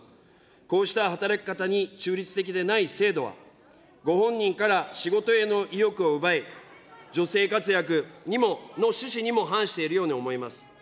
こうした働き方に中立的でない制度は、ご本人から仕事への意欲を奪い、女性活躍の趣旨にも反しているように思います。